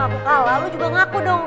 jadi seharusnya lo nyikatin gue ya sedong